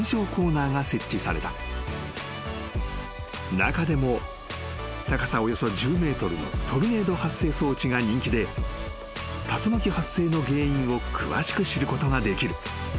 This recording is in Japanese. ［中でも高さおよそ１０ｍのトルネード発生装置が人気で竜巻発生の原因を詳しく知ることができる］